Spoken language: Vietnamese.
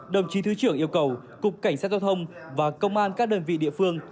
đồng chí thứ trưởng yêu cầu cục cảnh sát giao thông và công an các đơn vị địa phương